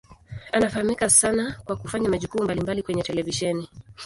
Anafahamika sana kwa kufanya majukumu mbalimbali kwenye televisheni.